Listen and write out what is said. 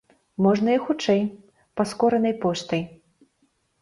Можна і хутчэй, паскоранай поштай.